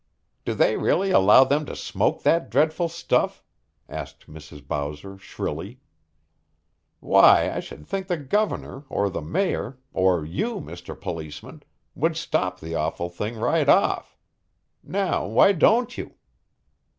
"Do they really allow them to smoke that dreadful stuff?" asked Mrs. Bowser shrilly. "Why, I should think the governor, or the mayor, or you, Mr. Policeman, would stop the awful thing right off. Now, why don't you?"